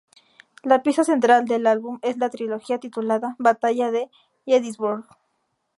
La pieza central del álbum es la trilogía titulada "Batalla de Gettysburg".